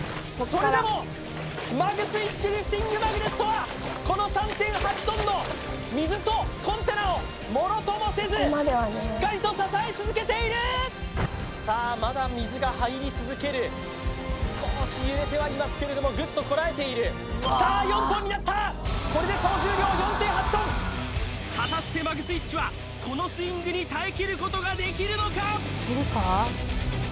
それでもマグスイッチリフティングマグネットはこの３．８ｔの水とコンテナをものともせずしっかりと支え続けているさあまだ水が入り続ける少し揺れてはいますけれどもぐっとこらえているさあ４ｔになったこれで総重量４．８ｔ果たしてマグスイッチはこのスイングに耐え切ることができるのか？